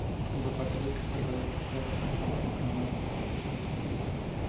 El Papa tuvo que esperar largo tiempo para proclamar la cruzada.